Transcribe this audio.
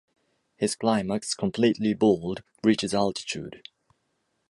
His climax, completely bald, reaches altitude.